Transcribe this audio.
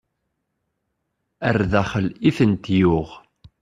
Ar daxel i tent-yuɣ.